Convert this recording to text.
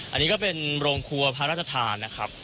อันนี้ก็เป็นโรงครัวพระราชทานนะครับ